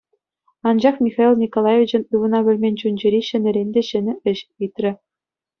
Анчах Михаил Николаевичӑн ывӑна пӗлмен чун-чӗри ҫӗнӗрен те ҫӗнӗ ĕç ыйтрӗ.